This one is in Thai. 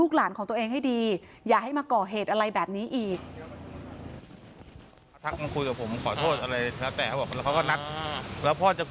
ผมก็ไม่อยากเอาความครับเพราะว่าเป็นเด็ก